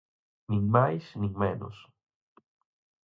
Nin máis, nin menos.